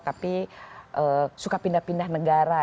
tapi suka pindah pindah negara